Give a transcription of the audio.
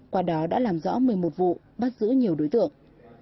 qua đó đã làm rõ một mươi một vụ bắt giữ nhiều đối tượng